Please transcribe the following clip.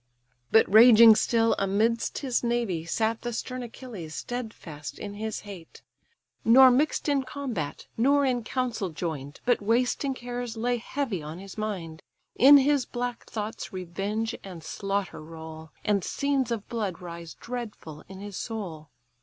But raging still, amidst his navy sat The stern Achilles, stedfast in his hate; Nor mix'd in combat, nor in council join'd; But wasting cares lay heavy on his mind: In his black thoughts revenge and slaughter roll, And scenes of blood rise dreadful in his soul.